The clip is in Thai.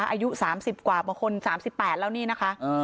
อายุ๓๐กว่าบางคน๓๘แล้วนี่นะคะ